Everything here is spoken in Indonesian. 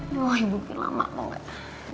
duh ibu bilang mak mau gak